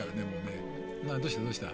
どうした？